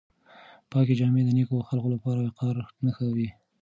پاکې جامې د نېکو خلکو لپاره د وقار نښه وي.